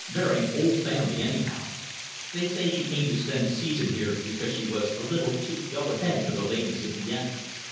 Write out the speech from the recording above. "Very old family, anyhow. They say she came to spend a season here because she was a little too go ahead for the ladies of Vienna.